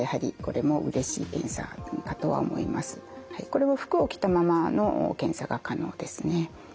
これは服を着たままの検査が可能ですね。